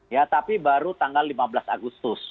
ya tapi baru tanggal lima belas agustus